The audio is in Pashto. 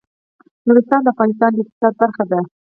نورستان د افغانستان د اقتصاد برخه ده.